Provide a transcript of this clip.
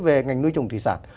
về ngành nuôi trồng thủy sản